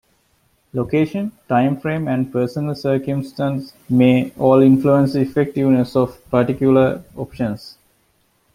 Location, time frame and personal circumstances may all influence the effectiveness of particular options.